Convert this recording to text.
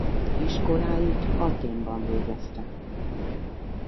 Iskoláit Athénban végezte.